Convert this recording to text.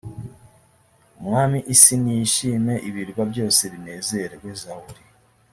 umwami isi niyishime ibirwa byose binezerwe zaburi